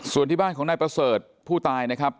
ส่วนที่บ้านของนายประเสริฐผู้ตายนะครับ